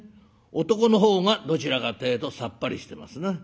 男の方がどちらかってえとさっぱりしてますな。